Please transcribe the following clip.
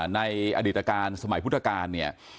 ในอดีตการสมัยพุทธกาลเนี่ย